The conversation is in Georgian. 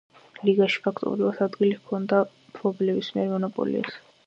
ლიგაში ფაქტობრივად ადგილი ჰქონდა მფლობელების მიერ მონოპოლიას.